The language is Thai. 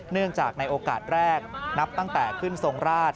เนื่องจากในโอกาสแรกนับตั้งแต่ขึ้นทรงราช